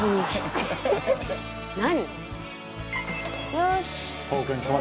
よし！